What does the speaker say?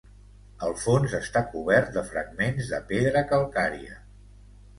El fons està cobert de fragments de pedra calcària.